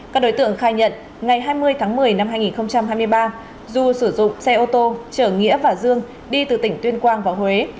các đối tượng khai nhận ngày hai mươi tháng một mươi năm hai nghìn hai mươi ba du sử dụng xe ô tô chở nghĩa và dương đi từ tỉnh tuyên quang vào huế